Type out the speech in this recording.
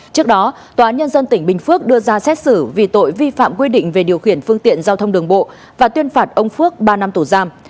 trước đó tòa nhân dân tỉnh bình phước đưa ra xét xử vì tội vi phạm quy định về điều khiển phương tiện giao thông đường bộ và tuyên phạt ông phước ba năm tù giam